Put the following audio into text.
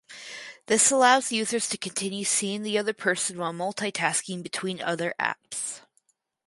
This allows users to continue seeing the other person while multitasking between other apps.